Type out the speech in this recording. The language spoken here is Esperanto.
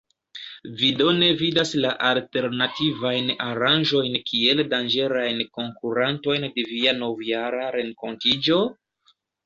Vi do ne vidas la alternativajn aranĝojn kiel danĝerajn konkurantojn de via Novjara Renkontiĝo?